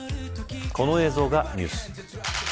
この映像がニュース。